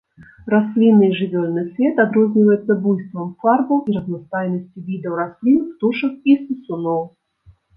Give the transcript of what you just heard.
Раслінны і жывёльны свет адрозніваецца буйствам фарбаў і разнастайнасцю відаў раслін, птушак і сысуноў.